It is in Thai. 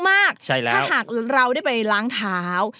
ถ้าหากเราได้ไปล้างเท้า